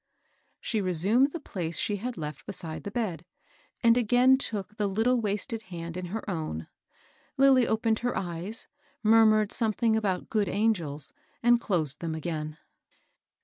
She resumed the place she had left beside the bedj and again took iW ViXXXa >N^i^d hand in her THE WOLF AT THE DOOR. 899 own. Lilly opened her eyes, murmured something about " good angels," and closed them again.